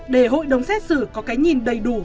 để hội đồng xét xử có cái nhìn đầy đủ